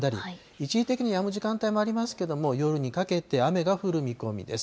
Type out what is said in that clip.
一時的にやむ時間帯もありますけれども、夜にかけて雨が降る見込みです。